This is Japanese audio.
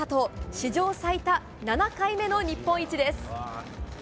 史上最多、７回目の日本一です。